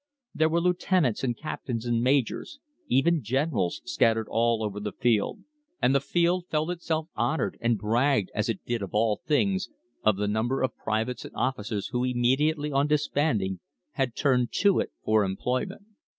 There were lieutenants and captains and majors — even generals — scattered all over the field, and the field felt itself honoured, and bragged, as it did of all things, of the number of privates and officers who immediately on disband ment had turned to it for employment.